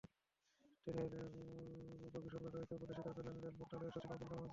ট্রেনের বগিসংকট রয়েছে বলে স্বীকার করলেন রেল মন্ত্রণালয়ের সচিব আবুল কালাম আজাদ।